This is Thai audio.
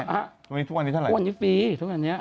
ทุกวันนี้ทุกวันนี้เท่าไหทุกวันนี้ฟรีทุกวันนี้